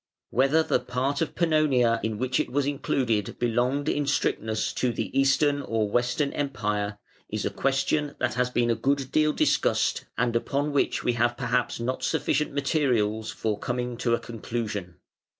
Whether the part of Pannonia in which it was included belonged in strictness to the Eastern or Western Empire, is a question that has been a good deal discussed and upon which we have perhaps not sufficient materials for coming to a conclusion.